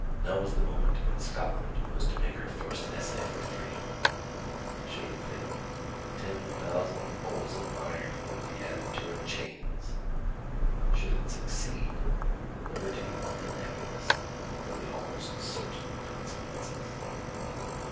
Now was the moment when Scotland was to make her first essay for freedom! Should it fail, ten thousand bolts of iron would be added to her chains! Should it succeed, liberty and happiness were the almost certain consequences.